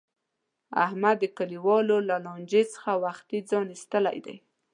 احمد د کلیوالو له لانجې څخه وختي ځان ایستلی دی.